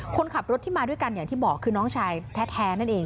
คนขับรถที่มาด้วยกันอย่างที่บอกคือน้องชายแท้นั่นเอง